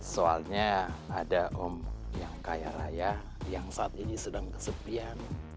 soalnya ada om yang kaya raya yang saat ini sedang kesepian